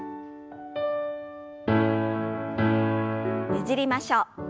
ねじりましょう。